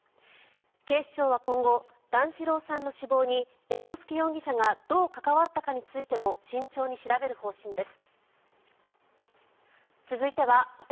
警視庁は今後、段四郎さんの死亡に猿之助容疑者がどう関わったかについても慎重に調べる方針です。